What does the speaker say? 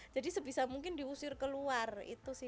jadi sebisa mungkin diusir keluar itu sih